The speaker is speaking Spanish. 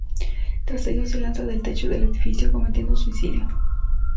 Tras ello se lanza del techo del edificio, cometiendo suicidio.